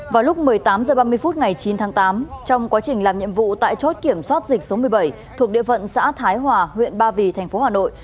vào lúc một mươi tám h ba mươi phút ngày chín tháng tám trong quá trình làm nhiệm vụ tại chốt kiểm soát dịch số một mươi bảy thuộc địa phận xã thái hòa huyện ba vì tp hà nội